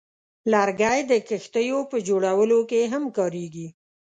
لرګی د کښتیو په جوړولو کې هم کارېږي.